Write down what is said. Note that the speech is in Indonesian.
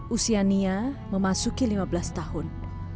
usia nia memasuki lima belas tahun